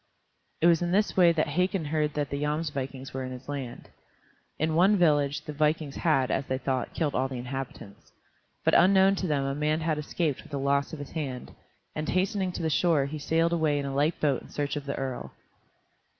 It was in this way that Hakon heard that the Jomsvikings were in his land. In one village the vikings had, as they thought, killed all the inhabitants. But unknown to them a man had escaped with the loss of his hand, and hastening to the shore he sailed away in a light boat in search of the earl.